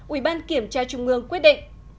ủy ban kiểm tra trung ương quyết định